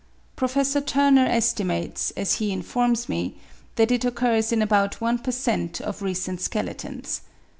Prof. Turner estimates, as he informs me, that it occurs in about one per cent. of recent skeletons.